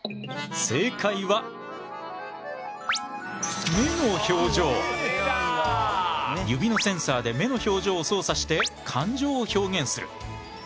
正解は指のセンサーで目の表情を操作して感情を表現する。